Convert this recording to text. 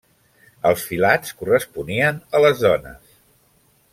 Els filats corresponien a les dones.